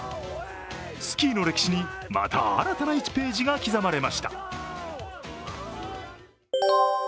スキーの歴史にまた新たな１ページが刻まれました。